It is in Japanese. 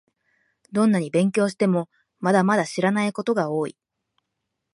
どんなに勉強しても、まだまだ知らないことが多い